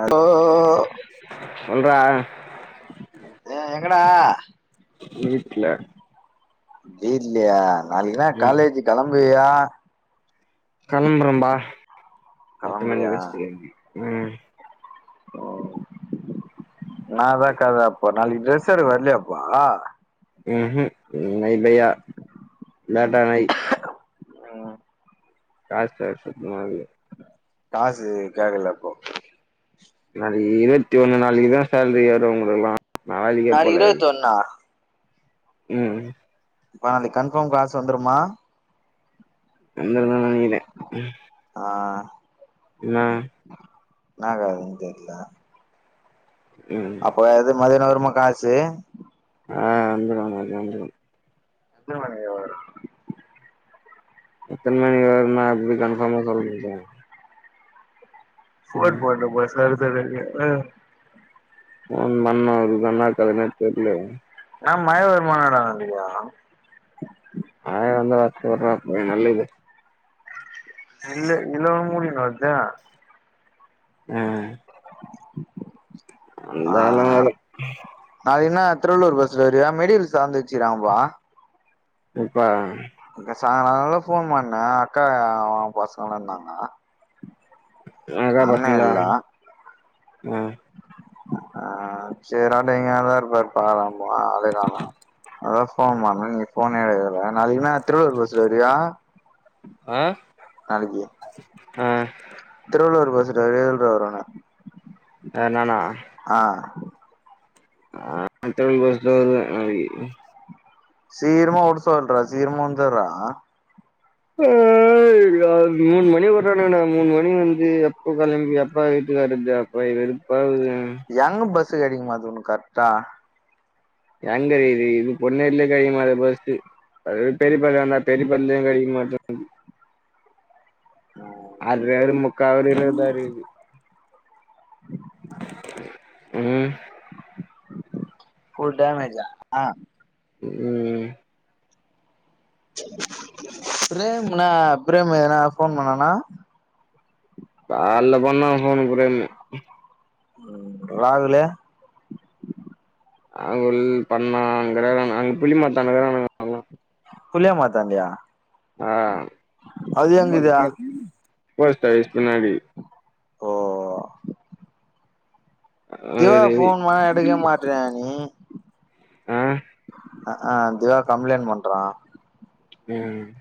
அடோ சொல்றா ஏ எங்கடா வீட்ல வீட்லயா நாளைக்குனா காலேஜ் கிளம்புவியா கிளம்புறம்பா எட்டு மணி கெளம்புவியா பஸ்க்கு கேரி ம் ஓவ் ன்னாதா கால்ல அப்போ நாளைக்கு ட்ரெஸ் எடுக்க வரலையாப்பா ம் ம் நைபாயா பேட்டா நை ம் காஸ் வேற சுத்தமா இல்ல காசு கேக்கல இப்போ நாளைக்கு இருவத்தி ஒண்ணு நாளைக்குதான் சேலரி வரும் உங்களுக்கல்லாம் நா வேளைக்கே போல நா ம் இப்ப நாளைக்கு கன்ஃபாம் காசு வந்துருமா வந்துருனு தான் நனைக்கிறேன் ஆ என்ன என்ன கேக்றதுனு தெர்ல ம் அப்ப இது மதியானம் வருமா காசு ஆ வந்துரும் மதியம் வந்துரும் எத்தன மணிக்கு வரும் எத்தன மணிக்கு வறுனு நா எப்டி கன்ஃபாமா சொல்லமுடியும் போன் ம் போட்டு போ சர்சர்னு ஃபோன் பன்னும் அதுக்குதான்டா அது இருக்க யெடமே தெரிலயே நான் மயபூர் மாநாட வந்தியா ஆ வந்த பத்து நல்ல நல்ல இது இல்ல இல்லவங்கமுடின வருத ஆ ஆ ஆ வந்தாலும் வரும் நாளி என்னா திருவள்ளூர் பஸ்ல வறியா மெடில்ஸ் சார்ந்து வச்சிக்கிராங்ப்பா சேரிப்பா சாயாலால ஃபோன் பண்ண அக்கா பசங்களலந்தாங்க அங்கா பசங்கலாய் ஹ அ சேரடிங்க தா இருப்பார் பாரம்பா ஆளே கானோம் அதா சோ ஃபோன் பண்ண நீ ஃபோனே எடுக்கல நாளிகன்னா திருவள்ளூர் பஸ்ல வரியியா அ அ திருவள்ளுவர் பஸ்ல வரியா எதுல வருவ யார் நான ஆ ஹ திருவள்ளுவர் பஸ்ல வருவன் நாளிகி சீர்மா உடசொல்ற சீர்மா வந்துரா ஹய் மூணு மணி விடுறாண்னுங்கடா மூணு மணி வந்து எப்போ களம்பி எப்ப வீட்டுக்கரது அடப்பா வெறுப்பா இருக்கு எங்க பஸ்சுகடிக்க மாட்து கரெக்டா எங்கேடிது இது பொண்னெரிலே கடைக்கமாட்து ப்ஸ்டு பெரியப்பந்த பெ வெல்ல கடைக்க மாட்டது ம் அ அவரு முக்காவர் இ இருத இது உம் உம் ஸ்கூல் டேமாயிருச்சா ஆ உம் பிரேம்னா பிரேம் ஏதனா ஃபோன் பண்ணானா கால்ல போணா [unintelligible] ம் ராகுலு அங்குல் பண்ணா அங்க அங் புளி மாத்தானடகக்ரானுக புளியா மார்த்தான்டைய ஹ போஸ்டாபிஸ் பின்னாடி ஓ திவா அவரு ஃபோன் பணா எடுக்கவே மாட்றியா நீ ஆ அ ஹ திவா கம்ப்ளைண்ட் பண்றா ம்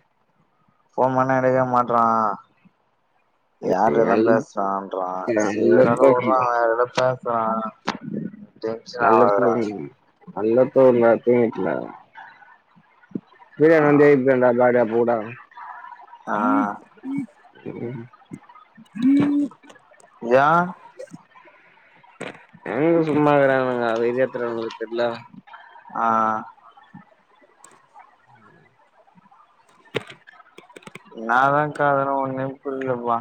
ஃபோன் பண்ணா எடுக்கவே மாட்றா யார்ட்ட தா பேசுறான்றா சரி அத வுறா யாரட பேசுறா [unintelligible] [unintelligible] ஹ யா எங்க சும்மாருக்கறானுக அத இதயு எடுத்வந் [unintelligible] ஆ ந தா காதன ஒன்னுப் புரிலப்பா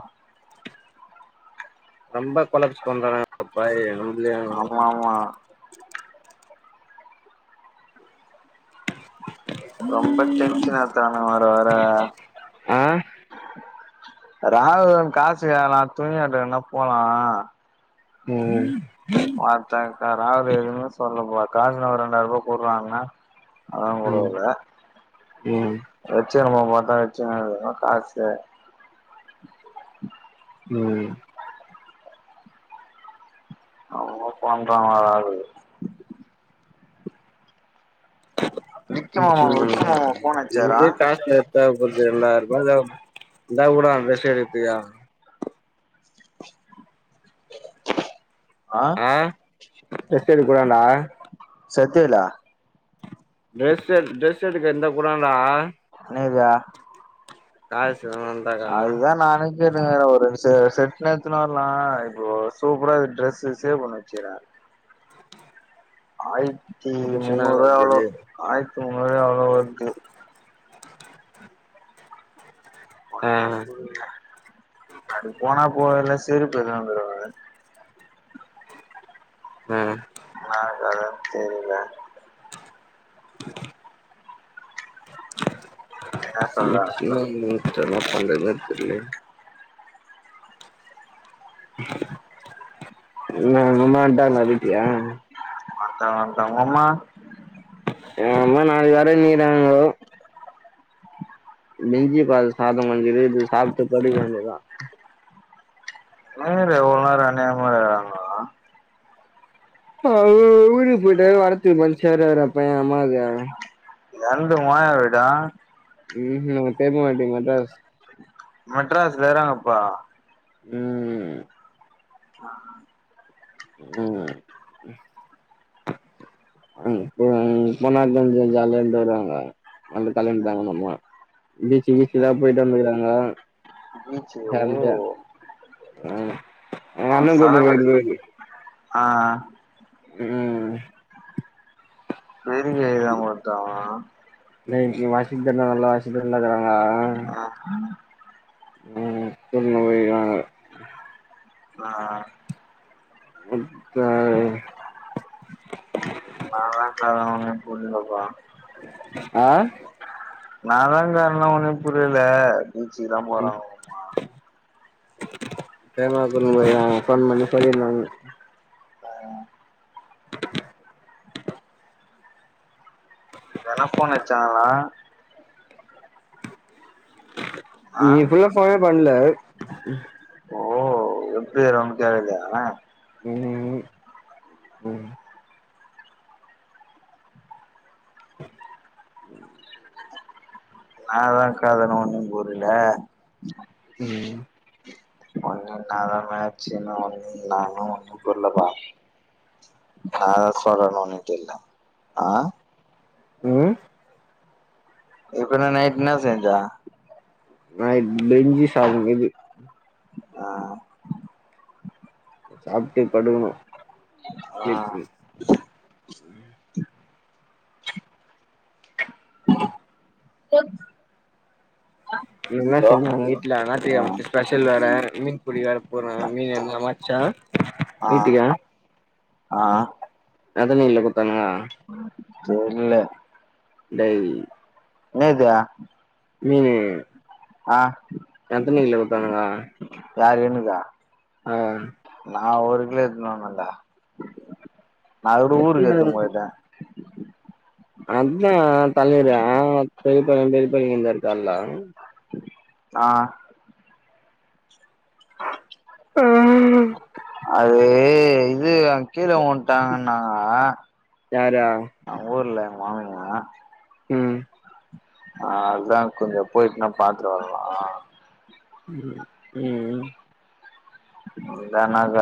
ரொம்ப கொழப்ஸ் பண்றாங்க ஆமா [unintelligible] ஆமா ரொம்ப டென்ஷனா எத்தானு வர வர ஆ ராகு காசு கேக்கலா துணியான்னா போலா ம் வா்த்தாக்க ராகர் எதுவுமே சொல்லப்பா காசுனா ஒரு ரெண்டாயம் ரூபாய் கூடுறான்னே அதான் ம் கூடல ம் வச்சிரம பார்த்தா வச்ச காசு [unintelligible] ம் அமா பண்ற மாிர ஆகுது விக்கி [unintelligible] மாமா விக்கி மாமா போன் தேபட்து அச்சாரா ரெண்டாயிரபா தேபட் இருந்தா கூடா ட்ரஸ் எடுக்கத்துக்கு ஆ ட்ரஸ் எடுக் கூடாண்டா சத்தலா ட்ரெஸு ட்ரெஸு எடுக்க எந்த குடான்டா நேதே வேண்டாக்கா அதுதா நானேக் கேட்டுநு இருக்குற செ செட்னா எத்துனு வர்லா இப்போ சூப்பரா டிரெஸூ சேவ் பண்ணி வச்சிக்கிற ஆயித்தி டென்ஷனா முன்னூறுபா எவ்ளோ வருது ஆயிரத்தி முன்னூறுபா எவ்ளோ வர்த்து ஆ அது போனா போல செருப்பு எதுவு தருவாங்க ம் ந அத தெரியல என்ன ம் சொல்ல [unintelligible] என்னா பண்றதுனே தெர்ல உங்க அம்மா வன்டாங்க விட்லயா வண்டா வண்டாங்க ஒங்கம்மா எங்க அம்மா நாளக்கி வரன்னிக்கிராங்கோ மிஞ்சி பாதோ சாதோ கொஞ்சோகுது சாப்ட்டு படுக்க வேண்டியதா ந ரே ஒன அன்யமாகிறாங்கோ ஊருக்கு போயிட்டா வரத்துக்கு மன்சே வராது டா பையா எ அம்மாக்கு என்து ஒ ஆயா வீடா ம் ம் நம்ம பெர்மா வீடு மெட்ராஸ் மெட்ராஸ்ல கிறாங்க இப்ப ம் ம் ம் அங் பொனாதா கொஞ்ஜ் ஜாலியாண்ட் வருவாங்க [unintelligible] பீச்சி கீச்சிலா போய்ட்டு வந்துக்கிறாங்கோ பீச்சு ஓ [unintelligible] எங் அவ அண்ண கூட்னு செலபடி போய்ட்டுருக்கு ஆ ம் தெரியிலதா ஒருத்தவ நேய் இ வாசித்த நல்லா வாசித்தா நல்லாருக்கறாங்க ஆ ம் சொல்லுஓய் இருகிறாங்க ஆ [unintelligible] நாலா [unintelligible] புரியலப்பா அ நாதாங்காரணோ ஒன்னு புரியல பீச்சுக்குதா போறோ வேமா [unintelligible] போன் பண்ணி சொல்லிருந்தாங்க ஆ யார்னா ஃபோன் அட்ச்சாங்கலா ஆ னி ஃபுல்லா ஃபோனே பண்ல ஓ எப்ப அவங்க தேவல [unintelligible] ம் ம் னா தா கதனு ஒன்னு புரில ம் ஒன்னு நாதா மேச்சுன்னு ஒன்னு நானு ஒண்ணு புரிலப்பா அதா சொல்லனோன்னிட்டு இல்ல ஆ ம் இப்பென்ன நைட் என்ன செஞ்ச நைட் பிஞ்சி சாதோ கிது அ சாப்ட்டு படுக்குனோ ஆ இன்னா ஹலோ செஞ்சாங்க வீட்ல ஆ ஞாயித்திக்கெழம ஸ்பெஷல் வேற மீன்பிடிக்க வேற போனாங்க மீன் எதனா மாட்ச்சா வீட்டுக்கா ஆஆ எத்தன கிலோ குத்தாங்க தெர்ல டேய் என்னது மீனு ஆ எத்தனி கிலோ குட்த்தானுங்க யாரு எனுக்கா அ நா ஒரு கிலோ எத்துனு வந்தேன் டா நா அது கூடோ ஊருக்கு எத்துன்னுப் நெத்தியில போயிட்டே அதா தலைவரு பெரிய பாளையோ பெரிய பாளையோ இந்தாரு கால்ல ஆ அது இது கீழ வுட்டாங்கன்னாங்க யாரு அவுங் ஊர்ல எங் மாமேங்க ம் அ அதா கொஞ்சோ போயிட்டுன்னா பாத்துட்டு வர்லா ம் ம் இதானக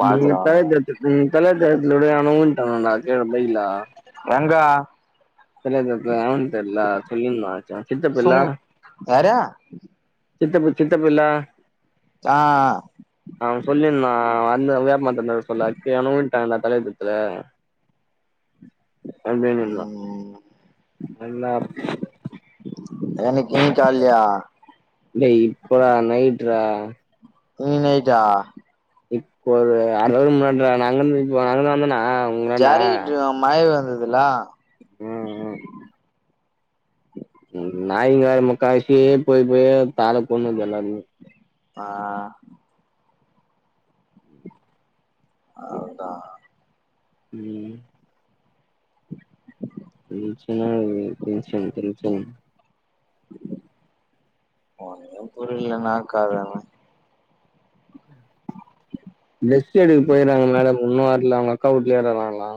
[unintelligible] ஊன்ட்டன்னாடா கீழ பைக்ல எங்க பிள்ளையார் தோப்புல எவன் தெர்ல்ல சொல்லிருந்தா அச்சா சித்தப்பல்ல சும் யாரு சித்தப்பு சித்தப்புல்ல சா அவ சொல்லிந்தா வந்து வேப்பமரத்தாண்ட இருக்க சொல்ல கீழ யாரோ வுன்ட்டாங்கலா தலைவர் புரத்துல ம் [unintelligible] தெனைக்கி கால்லயா டேய் இப்படா நைட்ரா இன்னிக் நைட்டா இப்போ ஒரு அர அவர் முன்னாட்ரா நா அங்கந்து இப்போ நா அங்கந்து வந்தனா உங்களாண்ட ஜாரை கிட்டு மழை வந்துதுலா ம் ம் ம் நாய்ங்க வேற முக்காவாசி போய் போய் இந்தாளக் கொண்ணுது எல்லாமே அ அவ்ளோதா ம் டென்ஷனா வருது டென்ஷனா டென்ஷனா ஒன்னு புரிலனா கால்தான டிரெஸ்டு எடுக்க போய்றாங்க மேடம் இன்னு வர்ல அவ்ங்க அக்கா ஊட்லயாரு வராங்லா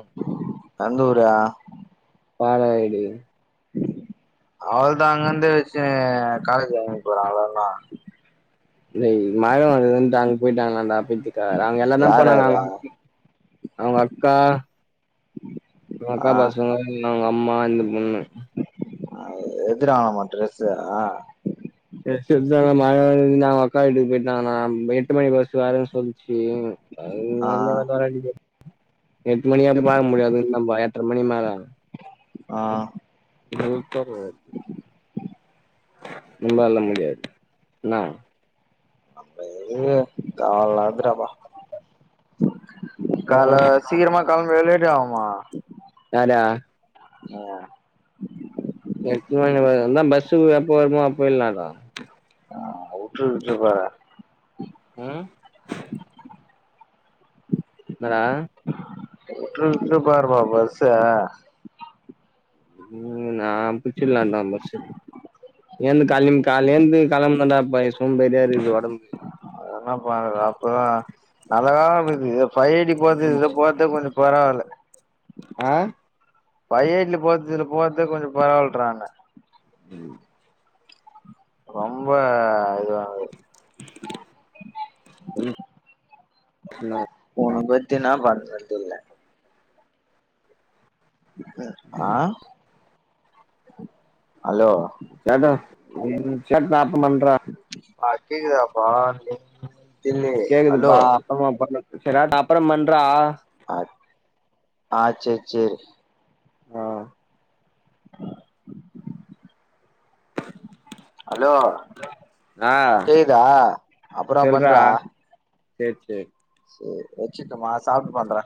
எந்த ஊரா பாழாயிடு அவள்தா அங்கர்ந்து வச்சு காலேஜ்லர்ந்து போறாங்கள்ள டேய் மழ வருதுன்ட் அங் போய்டாங்களாண்டா போய்த்து த்த அங்க எல்லாந்தா யார் யாரு போனாங்களா அவ்ங்க அக்கா இவ்ங்க அக்கா ஆ பசங்க இன் அவ்ங்க அம்மா இந்த பொண்ணு அது எடுத்துட்டாங்களாமா டிரெஸ்ஸ டிரெஸ் எட்த்து அங்க மழ வருதுன்து அவ்ங்க அக்கா வீட்டுக்கு போய்ட்டாங்களா எட்டு மணி பஸ்ஸு வரேன் சொல்லுச்சு அது ஆ வந்த மார்தா இன்னைக்கு எட்டு மணி வரியு பாக்க முடியாது நம்ப எட்ர மணி மேல ஆ இன்னொர்த்தர்வ இனி வர்லா முடியாது இன்ன நம்ம எதுக்கு தேவ இல்லாதுடா பா கால்ல ஆ சீக்கிரமா கெளம்வியா லேட்டாகுமா வார்யா நீவாரா எட்டு மணிவரன்னா பஸ்ஸு எப்போ வருமோ அப்போய்ர்லாண்டா ஆ உட்ற கிட்ற போற ம் என்னடா உட்ற கிட்ற போறப்பா பஸ்ஸ ம் நான் பிச்சிலாந்தா பஸ்ஸு நீ அந்த காலின் காலேந்து கெளம்போன்தான் பா எ சோம்பேறியா இருக்குது ஒடம்புக்கு அதுலா பண்ணாது அப்பதா நல்லாதான போய்டிருக்குது ஃபை எய்ட்டி போட்டு இத போட்டு கொஞ்சோ பரவால்ல ஆ ஃபை எய்ட்ல போட்து இதுல போட்டா கொஞ்சு பரவால்ட்றாங்க ம் ரொம்ப இதுவாகாது சின்னதா உன்ன வச்சி என்ன பண்றதுன் தெல்ல ம் ம் ஆ ஹலோ கெட இம்ஸ்யா எல்லாத்தும் பண்ற ஆ கேக்குதாப்பா நின் கேக்குதுப்பா அப்புறமா பண்ணு செரி ஆட்டூ அப்புறம் பண்றா அப் ஆ சேர் சேரி ஆ ஹலோ ஆ கேக்குதா அப்புறோ பண்றா சேர் சேரி சேரி வச்சுருட்டுமா சாப்ட்டு பண்றே